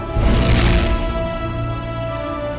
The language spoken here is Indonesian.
mau dibawa ke kota